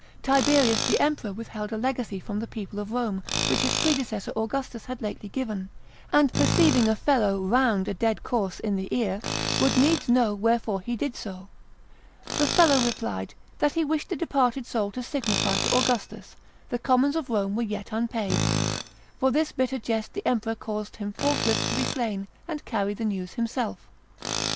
Tiberius the emperor withheld a legacy from the people of Rome, which his predecessor Augustus had lately given, and perceiving a fellow round a dead corse in the ear, would needs know wherefore he did so; the fellow replied, that he wished the departed soul to signify to Augustus, the commons of Rome were yet unpaid: for this bitter jest the emperor caused him forthwith to be slain, and carry the news himself.